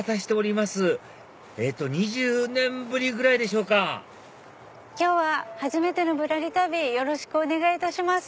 えっと２０年ぶりぐらいでしょうか今日は初めての『ぶらり旅』よろしくお願いいたします。